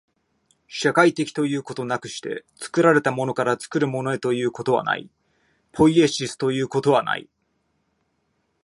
社会的ということなくして、作られたものから作るものへということはない、ポイエシスということはない。